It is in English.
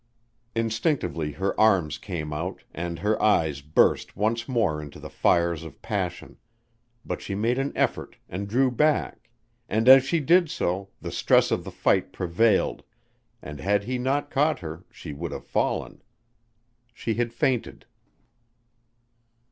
Instinctively her arms came out and her eyes burst once more into the fires of passion, but she made an effort and drew back, and as she did so the stress of the fight prevailed and, had he not caught her, she would have fallen. She had fainted.